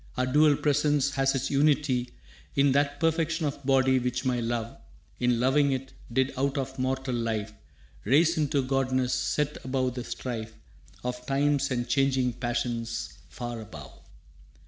Our dual presence has its unity In that perfection of body, which my love, In loving it, did out of mortal life Raise into godness, set above the strife Of times and changing passions far above.